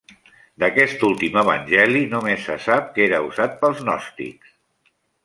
D'aquest últim evangeli només se sap que era usat pels gnòstics.